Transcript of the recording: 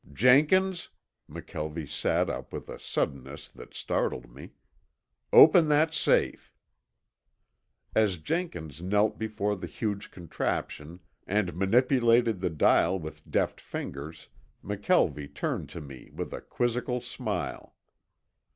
"Jenkins!" McKelvie sat up with a suddenness that startled me. "Open that safe." As Jenkins knelt before the huge contraption and manipulated the dial with deft fingers, McKelvie turned to me with a quizzical smile.